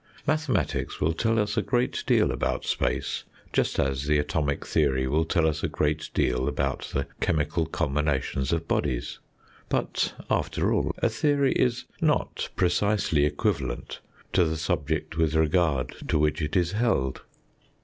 Mathematics will tell us a great deal about space, just as the atomic theory will tell us a great deal about the chemical combinations of bodies. But after all, a theory is not precisely equivalent to the subject with regard to which it is held.